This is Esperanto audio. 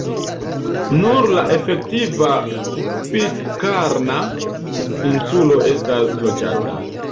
Nur la efektiva Pitkarna insulo estas loĝata.